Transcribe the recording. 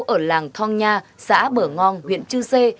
ở làng thong nha xã bở ngon huyện chư sê